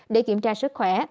để kiểm tra sức khỏe